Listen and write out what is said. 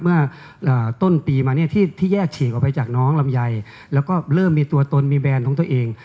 เมื่อต้นปีมาเนี่ยที่แยกฉีกออกไปจากน้องลำไยแล้วก็เริ่มมีตัวตนมีแบรนด์ของตัวเอง